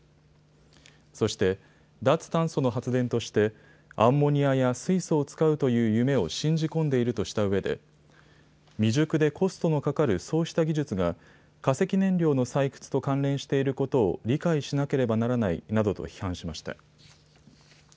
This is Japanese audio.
そして、脱炭素の発電としてアンモニアや水素を使うという夢を信じ込んでいるとしたうえで未熟でコストのかかるそうした技術が化石燃料の採掘と関連していることを理解しなければならないなどと批判しました。